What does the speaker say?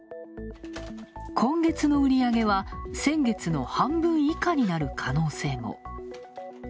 今月の売り上げは先月の半分以下になる可能性も。